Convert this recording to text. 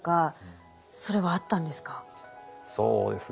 そうですね。